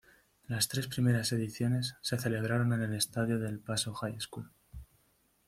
Las tres primeras ediciones se celebraron en el estadio de El Paso High School.